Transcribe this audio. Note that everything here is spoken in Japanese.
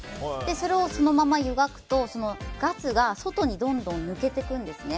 それをそのまま湯がくとガスが外にどんどん抜けていくんですね。